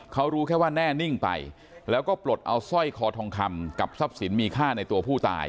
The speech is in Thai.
เขารู้แค่ว่าแน่นิ่งไปแล้วก็ปลดเอาสร้อยคอทองคำกับทรัพย์สินมีค่าในตัวผู้ตาย